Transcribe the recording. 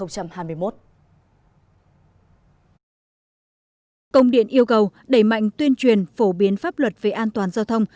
công điện yêu cầu đẩy mạnh tuyên truyền phổ biến pháp luật về an toàn giao thông